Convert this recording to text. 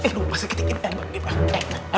aduh pasri kitty